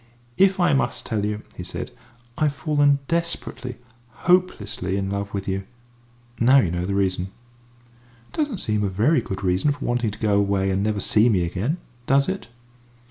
"If I must tell you," he said, "I've fallen desperately, hopelessly, in love with you. Now you know the reason." "It doesn't seem a very good reason for wanting to go away and never see me again. Does it?"